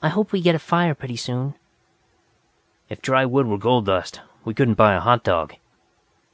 "I hope we get a fire pretty soon." "If dry wood were gold dust, we couldn't buy a hot dog."